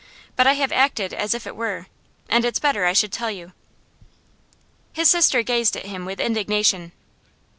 But I have acted as if it were, and it's better I should tell you.' His sister gazed at him with indignation.